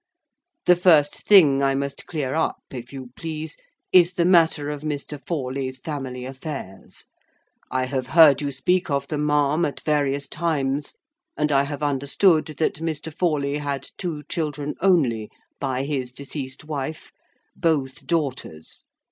The first thing I must clear up, if you please, is the matter of Mr. Forley's family affairs. I have heard you speak of them, ma'am, at various times; and I have understood that Mr. Forley had two children only by his deceased wife, both daughters.